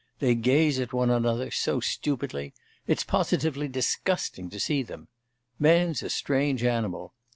They gaze at one another so stupidly.... It's positively disgusting to see them. Man's a strange animal.